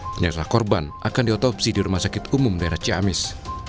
ternyata korban akan diotopsi di rumah sakit umum daerah ciamis